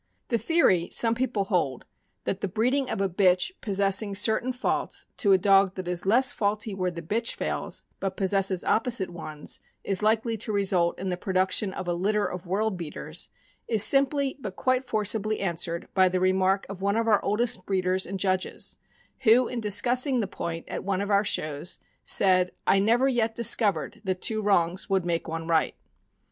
The theory some people hold, that the breeding of a bitch possessing certain faults THE YORKSHIEE TERRIER. 449 to a, dog that is less faulty where the bitch fails, but pos sesses opposite ones, is likely to result in the production of a litter of world beaters, is simply but quite forcibly answered by the remark of one of our oldest breeders and judges, who, in discussing the point at one of our shows, said: "I never yet discovered that two wrongs would make one right."